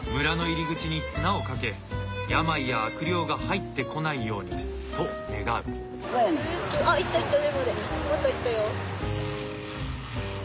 村の入り口に綱をかけ病や悪霊が入ってこないようにと願う。